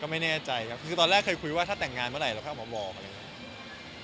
ไม่แน่ใจครับคือตอนแรกเคยคุยว่าถ้าแต่งงานเมื่อไหร่เราค่อยเอามาบอกอะไรอย่างนี้